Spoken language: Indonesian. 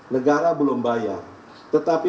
negara belum bayar tetapi